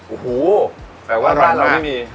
โอ้โหแต่ว่าร้านเราไม่มี